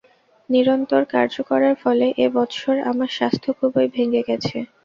নিরন্তর কার্য করার ফলে এ বৎসর আমার স্বাস্থ্য খুবই ভেঙে গেছে।